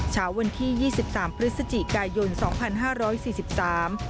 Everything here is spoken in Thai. เช้าวันที่ยี่สิบสามพฤศจิกายนสองพันห้าร้อยสี่สิบสาม